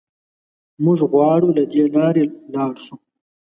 موږ غواړو له دې لارې لاړ شو.